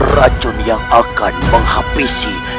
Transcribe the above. racun yang akan menghabisi